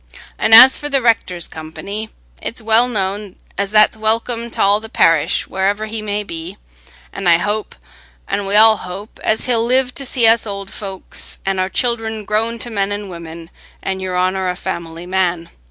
An' as for the rector's company, it's well known as that's welcome t' all the parish wherever he may be; an' I hope, an' we all hope, as he'll live to see us old folks, an' our children grown to men an' women an' Your Honour a family man.